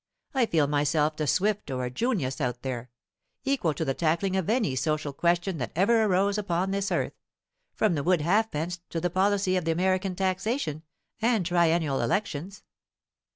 "I feel myself a Swift or a Junius out there; equal to the tackling of any social question that ever arose upon this earth, from the Wood halfpence to the policy of American taxation, and triennial elections.